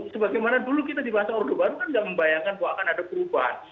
sebagaimana dulu kita dibahas ordo baru kan nggak membayangkan bahwa akan ada perubahan